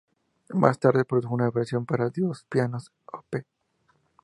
Más tarde produjo una versión para dos pianos, Op.